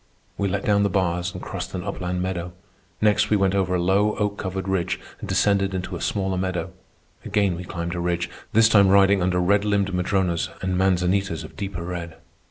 We let down the bars and crossed an upland meadow. Next, we went over a low, oak covered ridge and descended into a smaller meadow. Again we climbed a ridge, this time riding under red limbed madronos and manzanitas of deeper red.